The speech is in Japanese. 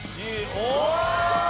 お！